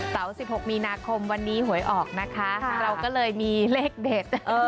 ๑๖มีนาคมวันนี้หวยออกนะคะเราก็เลยมีเลขเด็ด